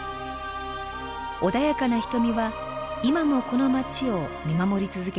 穏やかな瞳は今もこの街を見守り続けています。